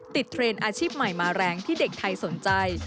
เทรนด์อาชีพใหม่มาแรงที่เด็กไทยสนใจ